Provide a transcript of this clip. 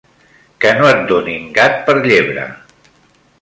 Què no et donin gat per llebre.